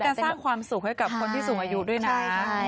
มันเป็นการสร้างความสุขให้กับคนที่สูงอายุด้วยนะ